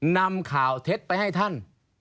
นำข่าวเท็จไปให้ท่าน